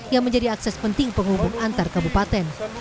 yang menjadi akses penting penghubung antar kabupaten